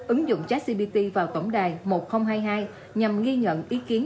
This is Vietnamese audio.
ứng dụng trashcbt vào tổng đài một nghìn hai mươi hai nhằm nghi nhận ý kiến